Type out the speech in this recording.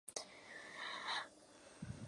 Además, es graduado en Derecho por La Sapienza.